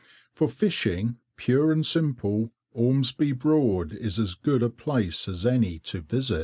For fishing, pure and simple, Ormesby Broad is as good a place as any to visit.